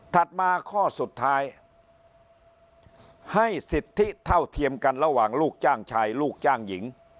มาข้อสุดท้ายให้สิทธิเท่าเทียมกันระหว่างลูกจ้างชายลูกจ้างหญิง